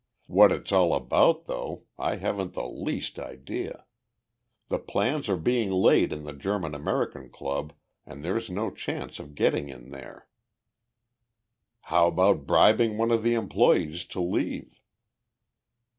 What it's all about, though, I haven't the least idea. The plans are being laid in the German American Club and there's no chance of getting in there." "How about bribing one of the employees to leave?"